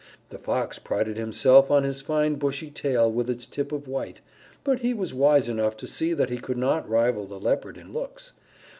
The Fox prided himself on his fine bushy tail with its tip of white, but he was wise enough to see that he could not rival the Leopard in looks.